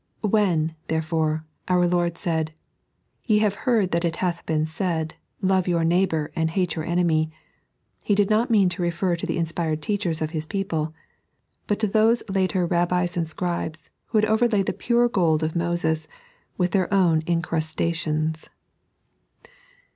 When, therefore, our Ijord said :" Ye have heard that it hath been said, ' Love your neighbour and hate your enemy,' " He did not mean to refer to the inspired teachers of TTia people, but to those later Babbis and Scribes who had overlaid the pure gold of Moses with their own incrustations.